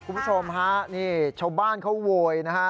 คุณผู้ชมฮะนี่ชาวบ้านเขาโวยนะฮะ